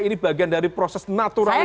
ini bagian dari proses naturalisasi